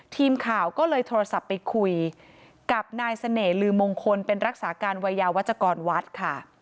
ทีมข่าวก็เลยโทรศัพท์ไปคุยกับนายเสน่หลือมงคลเป็นรักษาการวัยยาวัชกรวัดค่ะ